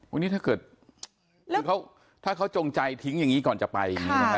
อันนี้ถ้าเกิดถ้าเขาจงใจทิ้งอย่างนี้ก่อนจะไป